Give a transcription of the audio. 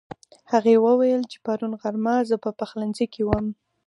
هغې وويل چې پرون غرمه زه په پخلنځي کې وم